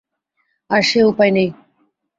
আর সে উপায় নেই!